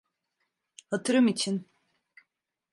Hatırım için.